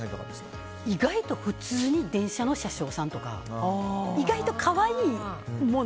意外と普通に電車の車掌さんとか意外と可愛いもの。